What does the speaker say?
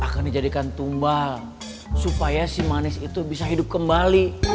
boleh jadikan tumbal supaya sih manis itu bisa hidup kembali